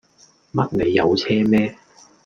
乜你有車咩